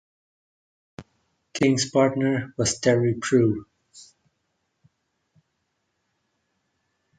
King's partner was Terry Prue.